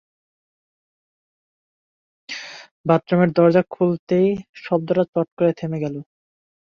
বাথরুমের দরজা খুলতেই শব্দটা চট করে থেমে গেল।